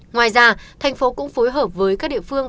ngoài ra thành phố cũng phối hợp với các địa phương